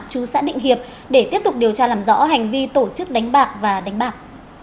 chú xã định hiệp để tiếp tục điều tra làm rõ hành vi tổ chức đánh bạc và đánh bạc